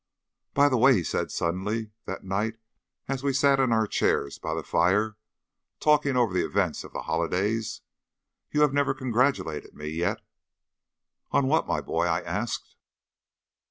"By the way," he said suddenly, that night, as we sat in our chairs by the fire, talking over the events of the holidays, "you have never congratulated me yet!" "On what, my boy?" I asked.